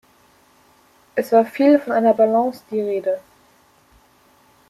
Es war viel von einer Balance die Rede.